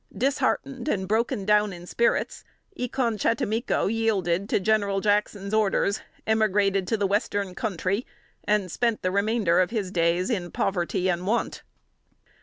Disheartened and broken down in spirits, E con chattimico yielded to General Jackson's orders, emigrated to the western country, and spent the remainder of his days in poverty and want.